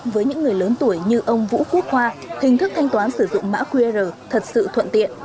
với những người lớn tuổi như ông vũ quốc hoa hình thức thanh toán sử dụng mã qr thật sự thuận tiện